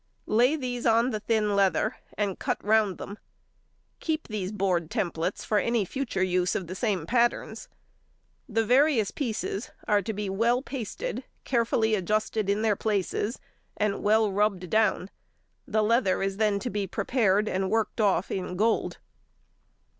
Lay these on the thin leather and cut round them. Keep these board templates for any future use of the same patterns. The various pieces are to be well pasted, carefully adjusted in their places, and well rubbed down. The leather is then to be prepared and worked off in gold.